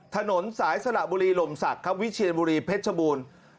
ถนนสายสระบุรีหลมสักวิเชียนบุรีเพชรบูรณ์